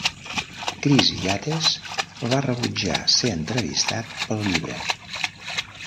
Chris Yates va rebutjar ser entrevistat pel llibre.